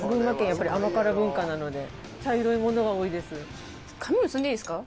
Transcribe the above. やっぱり甘辛文化なので茶色いものが多いです。